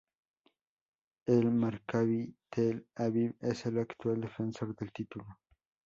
El Maccabi Tel Aviv es el actual defensor del título.